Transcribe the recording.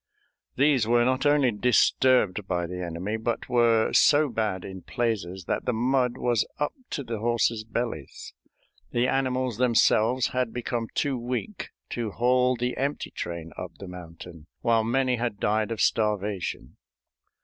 These were not only disturbed by the enemy, but were so bad in places that the mud was up to the horses' bellies. The animals themselves had become too weak to haul the empty train up the mountain, while many had died of starvation.